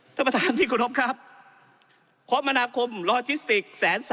เจ้าประธานดิกุฎาคับพร้อมมนาคมลอจิสติก๑๐๓๐๐๐